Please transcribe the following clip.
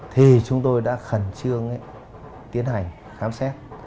thì chúng tôi đã khẩn trương tiến hành khám xét